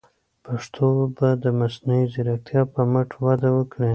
پښتو به د مصنوعي ځیرکتیا په مټ وده وکړي.